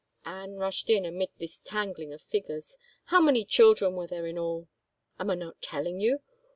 Anne rushed in amid this tangling of figures. " How many children were there in all ?"" Am I not telling you